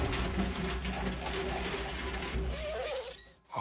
あ。